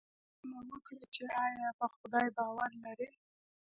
هغې پوښتنه وکړه چې ایا په خدای باور لرې